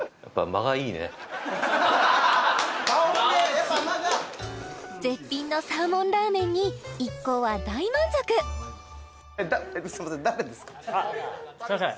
やっぱ間が絶品のサーモンラーメンに一行は大満足すいません